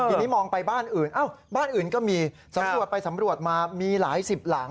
ทีนี้มองไปบ้านอื่นบ้านอื่นก็มีสำรวจไปสำรวจมามีหลายสิบหลัง